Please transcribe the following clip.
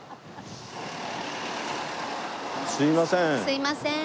すいません。